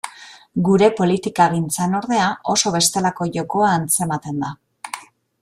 Gure politikagintzan, ordea, oso bestelako jokoa antzematen da.